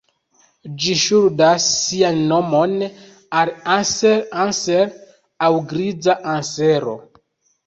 Ĝi ŝuldas sian nomon al "Anser Anser" aŭ griza ansero.